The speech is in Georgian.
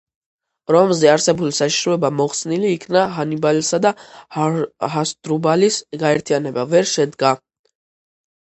რომზე არსებული საშიშროება მოხსნილი იქნა: ჰანიბალისა და ჰასდრუბალის გაერთიანება ვერ შედგა.